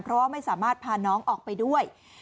เพราะว่าไม่สามารถพาน้องออกไปด้วย